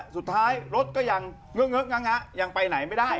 สุดท้ายรถก็ยังเงอะงะยังไปไหนไม่ได้